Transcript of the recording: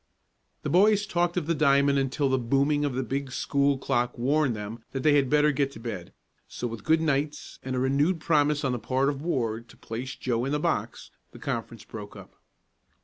The boys talked of the diamond until the booming of the big school clock warned them that they had better get to bed; so with good nights and a renewed promise on the part of Ward to place Joe in the box, the conference broke up.